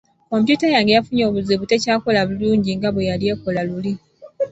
Kompyuta yange yafunye obuzibu tekyakola bulungi nga bwe yali ekola luli.